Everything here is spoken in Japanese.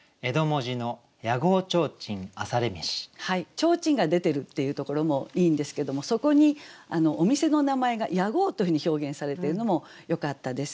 提灯が出てるっていうところもいいんですけどもそこにお店の名前が「屋号」というふうに表現されているのもよかったです。